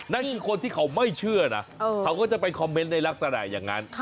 นั่นคือคนที่เขาไม่เชื่อนะเขาก็จะไปคอมเมนต์ในลักษณะอย่างนั้น